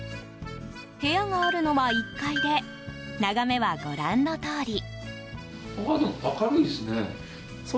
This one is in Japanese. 部屋があるのは１階で眺めは、ご覧のとおり。